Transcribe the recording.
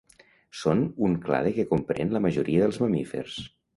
Són un clade que comprèn la majoria dels mamífers.